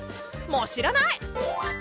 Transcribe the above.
もう知らない！